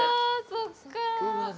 そっかぁ。